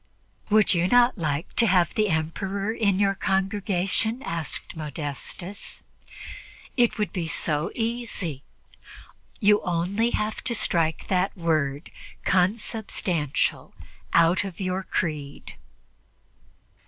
"Would you not like to have the Emperor in your congregation?" asked Modestus. "It would be so easy. You have only to strike that word 'consubstantial' out of your creed."